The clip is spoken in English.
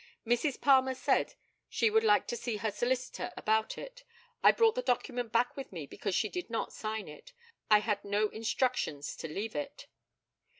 Mrs. Palmer said she would like to see her solicitor about it. I brought the document back with me because she did not sign it. I had no instructions to leave it.